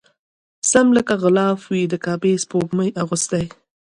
سم لکه غلاف وي د کعبې سپوږمۍ اغوستی